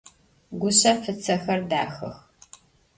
Guşef ıtsexer daxex.